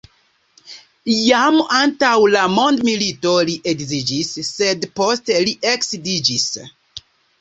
Jam antaŭ la mondomilito li edziĝis, sed poste li eksedziĝis.